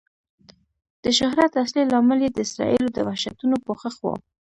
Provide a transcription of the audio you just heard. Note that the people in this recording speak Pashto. د شهرت اصلي لامل یې د اسرائیلو د وحشتونو پوښښ و.